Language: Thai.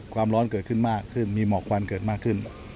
ความร้อนเกิดขึ้นมากขึ้นมีหมอกควันเกิดมากขึ้น